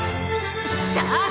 さあ